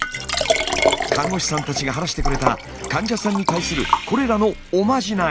看護師さんたちが話してくれた患者さんに対するこれらの「おまじない」。